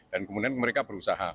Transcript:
dan kemudian mereka berusaha